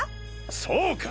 そうか！